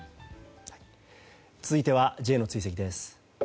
続いてはＪの追跡です。